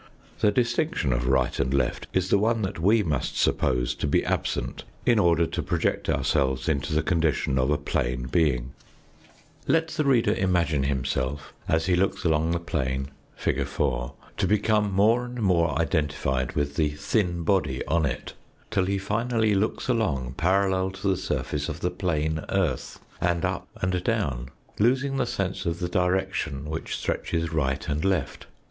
The distinction of right and left is the one that we must suppose to be absent, in order to project ourselves, into the condition of a plane being. 8 THE FOURTH DIMENSION Let the reader imagine himself, as he looks along the plane, fig. 4, to become more and more identified with the thin body on it, till he finally looks along parallel to the surface of the plane earth, and up and down, losing the sense of the direction which stretches right and left.